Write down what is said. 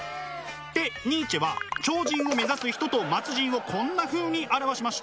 でニーチェは超人を目指す人と末人をこんなふうに表しました。